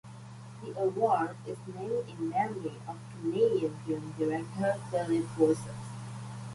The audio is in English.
The award is named in memory of Canadian film director Phillip Borsos.